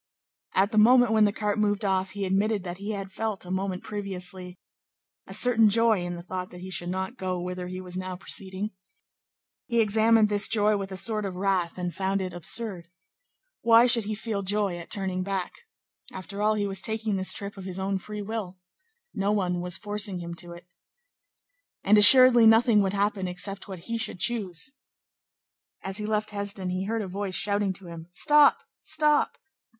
At the moment when the cart moved off, he admitted that he had felt, a moment previously, a certain joy in the thought that he should not go whither he was now proceeding. He examined this joy with a sort of wrath, and found it absurd. Why should he feel joy at turning back? After all, he was taking this trip of his own free will. No one was forcing him to it. And assuredly nothing would happen except what he should choose. As he left Hesdin, he heard a voice shouting to him: "Stop! Stop!"